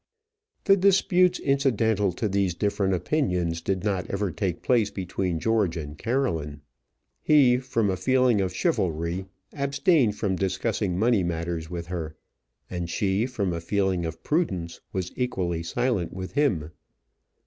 The disputes incidental to these different opinions did not ever take place between George and Caroline. He, from a feeling of chivalry, abstained from discussing money matters with her; and she, from a feeling of prudence, was equally silent with him.